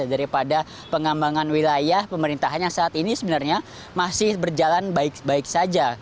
daripada pengambangan wilayah pemerintahan yang saat ini sebenarnya masih berjalan baik baik saja